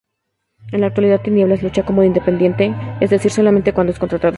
En la actualidad, Tinieblas lucha como independiente, es decir, solamente cuando es contratado.